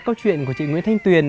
câu chuyện của chị nguyễn thanh tuyền